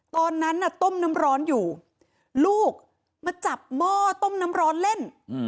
ตอนนั้นน่ะต้มน้ำร้อนอยู่ลูกมาจับหม้อต้มน้ำร้อนเล่น